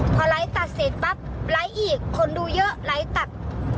พอไลค์ตัดเสร็จปั๊บไลค์อีกคนดูเยอะไลค์ตัด